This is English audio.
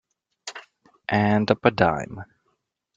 And up a dime.